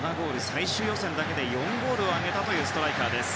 最終予選だけで４ゴールを挙げたというストライカーです。